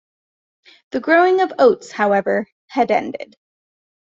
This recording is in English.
The growing of oats, however, had ended.